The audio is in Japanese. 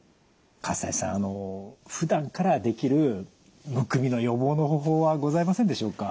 西さんふだんからできるむくみの予防の方法はございませんでしょうか？